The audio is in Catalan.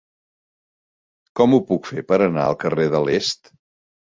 Com ho puc fer per anar al carrer de l'Est?